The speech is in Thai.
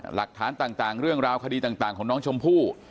หลักฐานต่างเรื่องราวคดีต่างของน้องชมพู่